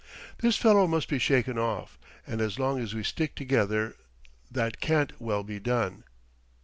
This fellow must be shaken off, and as long as we stick together, that can't well be done."